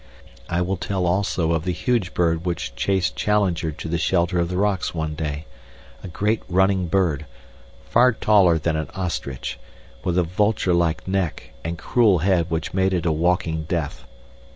I will tell also of the huge bird which chased Challenger to the shelter of the rocks one day a great running bird, far taller than an ostrich, with a vulture like neck and cruel head which made it a walking death.